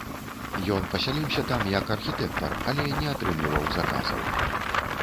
Ён пасяліўся там як архітэктар, але не атрымліваў заказаў.